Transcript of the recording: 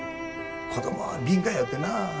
子供は敏感やよってな。